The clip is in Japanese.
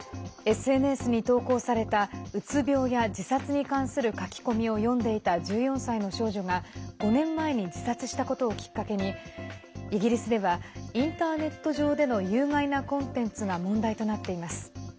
ＳＮＳに投稿されたうつ病や自殺に関する書き込みを読んでいた１４歳の少女が５年前に自殺したことをきっかけにイギリスではインターネット上での有害なコンテンツが問題となっています。